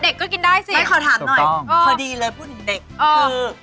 ก็กินได้สิขอถามหน่อยพอดีเลยพูดถึงเด็กคือ